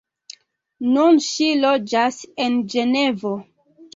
Nun ŝi loĝas en Ĝenevo.